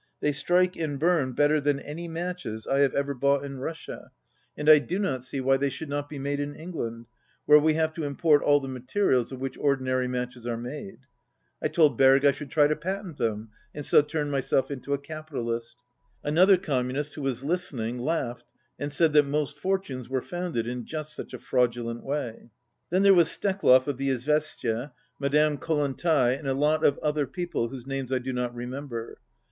They strike and burn better than any matches I have ever bought in Russia, and I do not see why they should not be made in England, where we have to import all the materials of which ordinary matches are made. I told Berg I should try to patent them and so turn myself into a capitalist. Another Communist, who was listening, laughed, and said that most fortunes were founded in just such a fraudulent way. Then there was Steklov of the Izvestia, Ma 53 dame Kollontai, and a lot of other people whose names I do not remember.